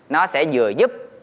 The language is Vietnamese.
nó sẽ vừa giúp